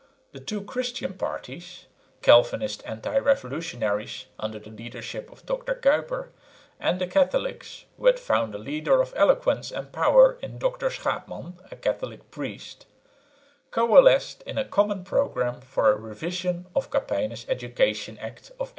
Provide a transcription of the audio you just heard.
The two "Christian" parties, the Calvinist anti revolutionaries under the leadership of Dr Kuyper, and the Catholics, who had found a leader of eloquence and power in Dr Schaepman, a Catholic priest, coalesced in a common programme for a revision of Kappeyne's Education Act of 1878.